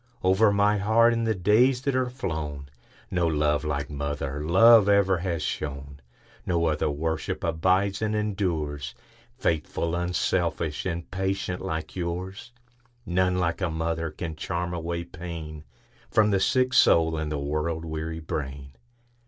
Over my heart, in the days that are flown, No love like mother love ever has shone; No other worship abides and endures,—Faithful, unselfish, and patient like yours:None like a mother can charm away painFrom the sick soul and the world weary brain.